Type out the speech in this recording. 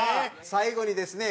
最後にですね